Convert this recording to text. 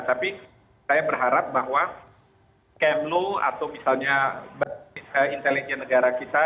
tapi saya berharap bahwa kemlu atau misalnya intelijen negara kita